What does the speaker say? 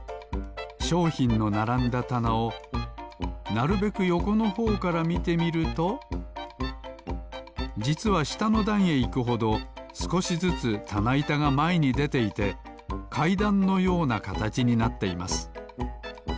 しょうひんのならんだたなをなるべくよこのほうからみてみるとじつはしたのだんへいくほどすこしずつたないたがまえにでていてかいだんのようなかたちになっています。